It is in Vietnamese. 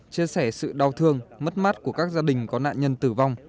chia sẻ sự đau thương mất mát của các gia đình có nạn nhân tử vong